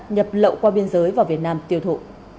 nhập lậu qua biên giới vào việt nam tiêu thụ